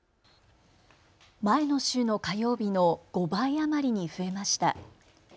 前の週の火曜日の５倍余りに増えました。